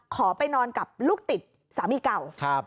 ขอไปนอนกับลูกติดสามีเก่า